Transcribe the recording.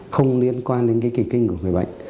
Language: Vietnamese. không liên quan đến cái kỳ kinh của người bệnh